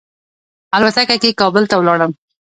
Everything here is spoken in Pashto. الوتکه کې کابل ته ولاړم.